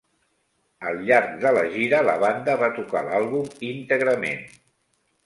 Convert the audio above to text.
Al llarg de la gira, la banda va tocar l'àlbum íntegrament.